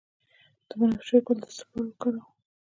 د بنفشه ګل د څه لپاره وکاروم؟